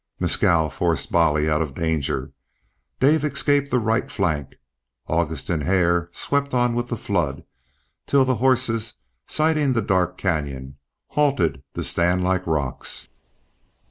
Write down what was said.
Mescal forced Bolly out of danger; Dave escaped the right flank, August and Hare swept on with the flood, till the horses, sighting the dark canyon, halted to stand like rocks.